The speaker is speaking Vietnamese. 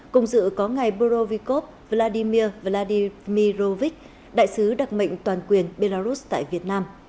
cùng dự có ngày burovikov vladimir vladimirovich đại sứ đặc mệnh toàn quyền belarus tại việt nam